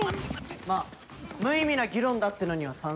まあ無意味な議論だってのには賛成だ。